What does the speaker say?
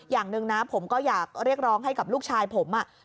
อย่างหนึ่งนะผมก็อยากเรียกร้องให้กับลูกชายผม